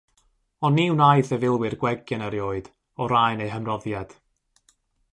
Ond ni wnaeth ei filwyr gwegian erioed o raen eu hymroddiad.